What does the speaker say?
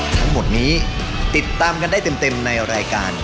ทั้งหมดนี้ติดตามกันได้เต็มในรายการ